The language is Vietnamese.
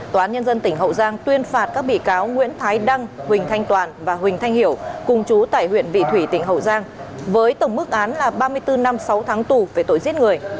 tòa án nhân dân tỉnh hậu giang tuyên phạt các bị cáo nguyễn thái đăng huỳnh thanh toàn và huỳnh thanh hiểu cùng chú tại huyện vị thủy tỉnh hậu giang với tổng mức án là ba mươi bốn năm sáu tháng tù về tội giết người